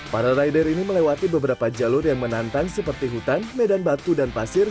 para rider ini melewati beberapa jalur yang menantang seperti hutan medan batu dan pasir